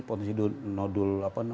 potensi nodul apa namanya